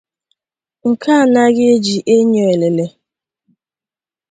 nke a na-ejighị enyo elele